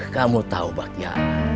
kamu tahu bakya